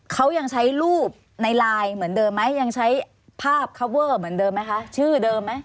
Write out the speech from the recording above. เขายังใช้รูปในไลน์เหมือนเดิมไหมยังใช้ภาพคับเวอร์เหมือนเดิมไหมคะชื่อเดิมไหม